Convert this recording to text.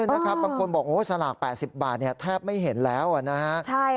อืมบางคนบอกสลาก๘๐บาทแทบไม่เห็นแล้วนะครับ